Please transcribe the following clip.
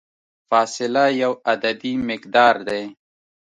فاصله یو عددي مقدار دی.